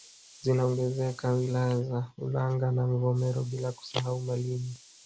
Zinaongezeka wilaya za Ulanga na Mvomero bila kusahau Malinyi